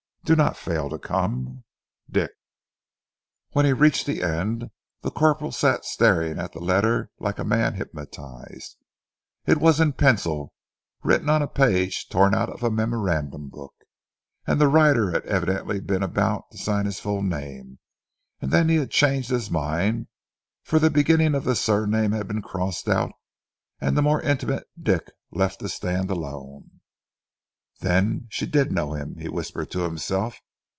Do not fail to come. "Dick...." When he reached the end, the corporal sat staring at the letter like a man hypnotized. It was in pencil, written on a page torn out of a memorandum book, and the writer had evidently been about to sign his full name, and then had changed his mind, for the beginning of the surname had been crossed out, and the more intimate "Dick" left to stand alone. "Then she did know him!" he whispered to himself.